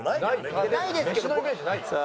メシのイメージないよ。